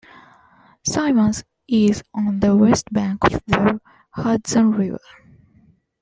Coeymans is on the west bank of the Hudson River.